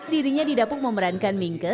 dirinya didapung memerankan mingke